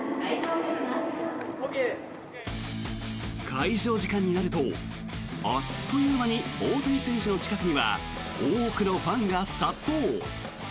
開場時間になるとあっという間に大谷選手の近くには多くのファンが殺到。